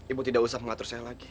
ibu tidak usah mengatur saya lagi